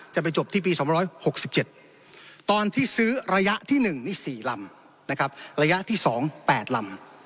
จบที่ปี๒๖๗ตอนที่ซื้อระยะที่๑นี่๔ลำนะครับระยะที่๒๘ลำ